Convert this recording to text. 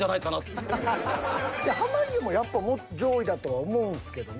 濱家もやっぱもっと上位だとは思うんですけどね。